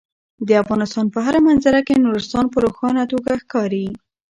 د افغانستان په هره منظره کې نورستان په روښانه توګه ښکاري.